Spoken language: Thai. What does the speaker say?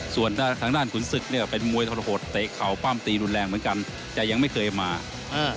ส่วนด้านทางด้านขุนศึกเนี่ยเป็นมวยทรหดเตะเข่าปั้มตีรุนแรงเหมือนกันแต่ยังไม่เคยมาอ่า